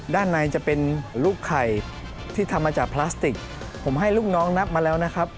ด้านในจะเป็นลูกไข่ที่ทำมาจากพลาสติกผมให้ลูกน้องนับมาแล้วนะครับ